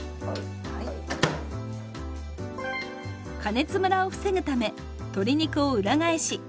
加熱ムラを防ぐため鶏肉を裏返し。